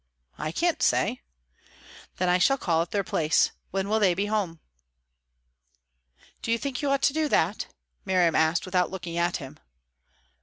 "I can't say." "Then I shall call at their place. When will they be at home?" "Do you think you ought to do that?" Miriam asked, without looking at him.